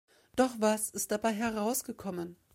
Doch was ist dabei herausgekommen?